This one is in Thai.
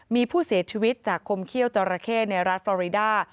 มีผู้เสียชีวิตจากคมเขี้ยวจอราเข้ในรัฐฟอริดา